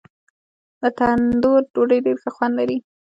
د تندور ډوډۍ ډېر ښه خوند لري.